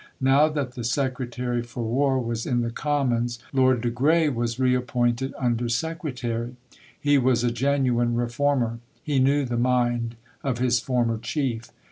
Now that the Secretary for War was in the Commons, Lord de Grey was reappointed Under Secretary. He was a genuine reformer. He knew the mind of his former Chief.